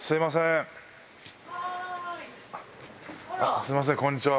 すみません、こんにちは。